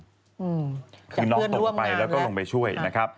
นอกตรงไปแล้วก็ลงไปช่วย